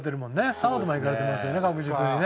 サードまで行かれてますよね確実にね。